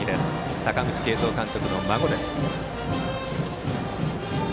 阪口慶三監督の孫です。